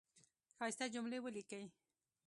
ښایسته جملی ولیکی